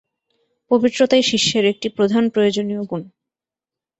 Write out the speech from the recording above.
পবিত্রতাই শিষ্যের একটি প্রধান প্রয়োজনীয় গুণ।